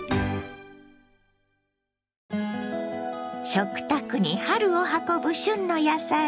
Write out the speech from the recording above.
食卓に春を運ぶ旬の野菜。